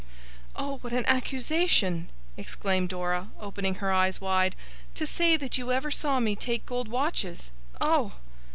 'Oh, what an accusation,' exclaimed Dora, opening her eyes wide; 'to say that you ever saw me take gold watches! Oh!